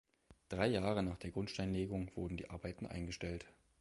Drei Jahre nach der Grundsteinlegung wurden die Arbeiten eingestellt.